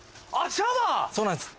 そうなんです。